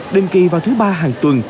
đêm kỳ vào thứ ba hàng tuần